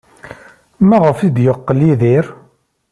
Maɣef ay d-yeqqel Yidir?